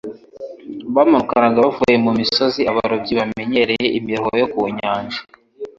bamanukaga bavuye mu misozi, abarobyi bamenyereye imiruho yo ku nyanja,